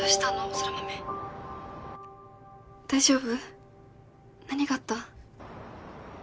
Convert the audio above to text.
空豆大丈夫？何があった？